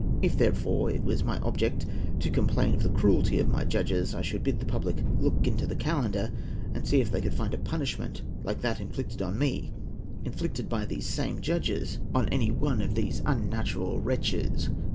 If, therefore, it was my object to complain of the cruelty of my judges, I should bid the public look into the calendar, and see if they could find a punishment like that inflicted on me; inflicted by these same judges on any one of these unnatural wretches.